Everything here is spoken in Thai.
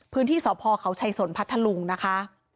พื้นที่สพเขาชัยสนพัทธลุงนะคะ